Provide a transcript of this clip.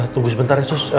tunggu sebentar ya sus